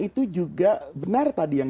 itu juga benar tadi yang